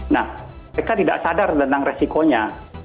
nah mereka tidak sadar tentang resikonya